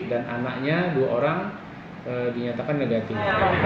dan anaknya dua orang dinyatakan negatif